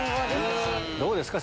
どうですか？